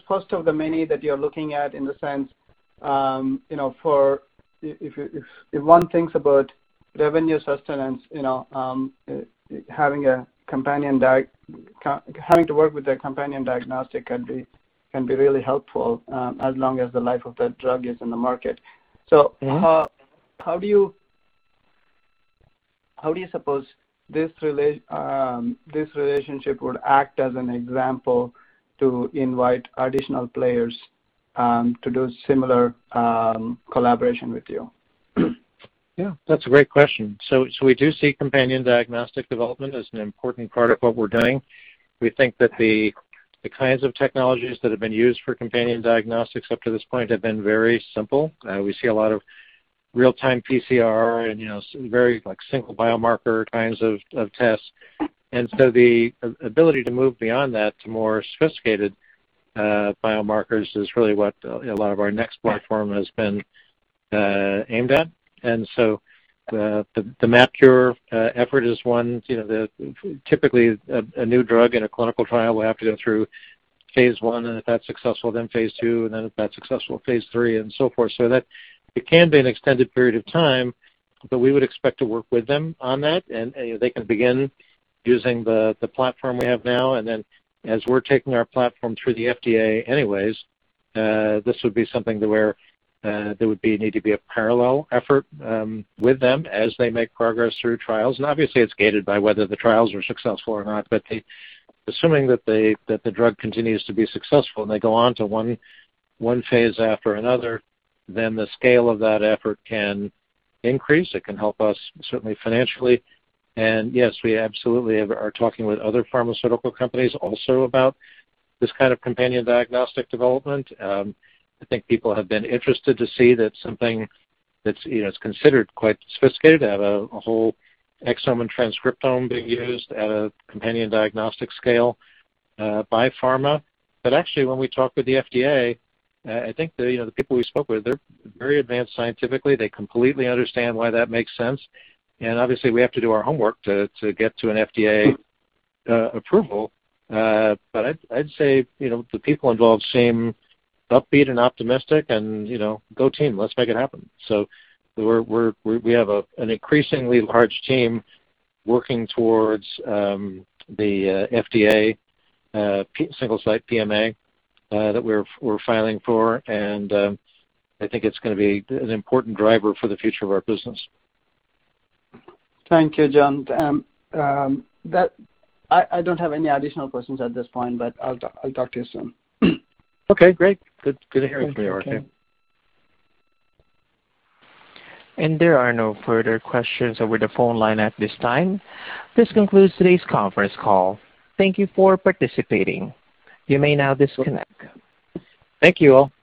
first of the many that you're looking at in the sense, if one thinks about revenue sustenance, having to work with a companion diagnostic can be really helpful as long as the life of that drug is in the market. How do you suppose this relationship would act as an example to invite additional players to do similar collaboration with you? Yeah, that's a great question. We do see companion diagnostic development as an important part of what we're doing. We think that the kinds of technologies that have been used for companion diagnostics up to this point have been very simple. We see a lot of real-time PCR and very simple biomarker kinds of tests. The ability to move beyond that to more sophisticated biomarkers is really what a lot of our NeXT platform has been aimed at. The MapKure effort is one, typically, a new drug in a clinical trial will have to go through phase I, and if that's successful, then phase II, and then if that's successful, phase III, and so forth. It can be an extended period of time, but we would expect to work with them on that, and they can begin using the platform we have now, and then as we're taking our platform through the FDA anyways, this would be something where there would need to be a parallel effort with them as they make progress through trials. Obviously, it's gated by whether the trials are successful or not, but assuming that the drug continues to be successful and they go on to one phase after another, then the scale of that effort can increase. It can help us certainly financially. Yes, we absolutely are talking with other pharmaceutical companies also about this kind of companion diagnostic development. I think people have been interested to see that something that's considered quite sophisticated to have a whole exome and transcriptome being used at a companion diagnostic scale by pharma. When we talk with the FDA, I think the people we spoke with, they're very advanced scientifically. They completely understand why that makes sense. Obviously, we have to do our homework to get to an FDA approval, but I'd say the people involved seem upbeat and optimistic and, "Go team, let's make it happen." We have an increasingly large team working towards the FDA single-site PMA that we're filing for, and I think it's going to be an important driver for the future of our business. Thank you, John. I don't have any additional questions at this point, but I'll talk to you soon. Okay, great. Good to hear from you, RK. Thank you. There are no further questions over the phone line at this time. This concludes today's conference call. Thank you for participating. You may now disconnect. Thank you all.